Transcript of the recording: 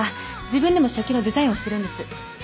自分でも食器のデザインをしてるんです。